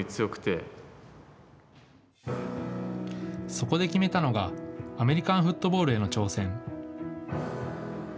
そこで決めたのがアメリカンフットボールへの挑戦。